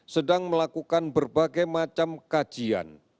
sedang melakukan berbagai macam kajian